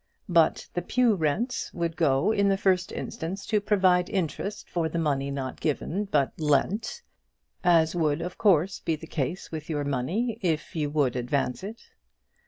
But the pew rents would go in the first instance to provide interest for the money not given, but lent; as would of course be the case with your money, if you would advance it.